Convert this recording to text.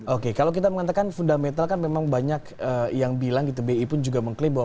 oke kalau kita mengatakan fundamental kan memang banyak yang bilang gitu bi pun juga mengklaim bahwa